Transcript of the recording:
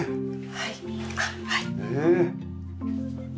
はい。